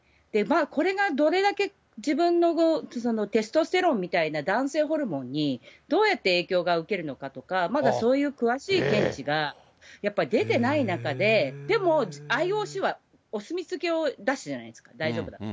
これがどれだけ自分のテストステロンみたいな男性ホルモンに、どうやって影響が受けるのかとか、まだそういう詳しい見地がやっぱり出てない中で、でもＩＯＣはお墨付きを出したじゃないですか、大丈夫だと。